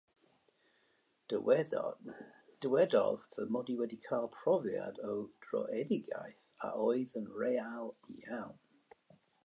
Dywedodd fy mod wedi cael profiad o droëdigaeth a oedd yn real iawn...